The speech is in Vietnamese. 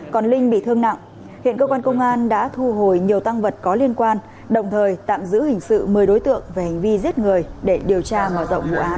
còn linh bị thương nặng hiện cơ quan công an đã thu hồi nhiều tăng vật có liên quan đồng thời tạm giữ hình sự một mươi đối tượng về hành vi giết người để điều tra mở rộng vụ án